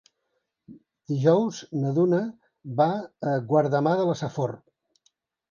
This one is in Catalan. Dijous na Duna va a Guardamar de la Safor.